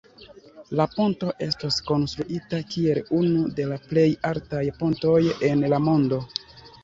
La ponto estos konstruita kiel unu de la plej altaj pontoj en la mondo.